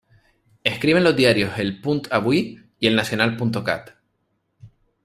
Escribe en los diarios "El Punt Avui" y "ElNacional.cat".